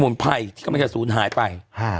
สมุนไพรที่ก็ไม่ได้สูญหายไป